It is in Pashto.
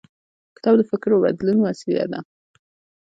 کتاب د فکر بدلون وسیله ده.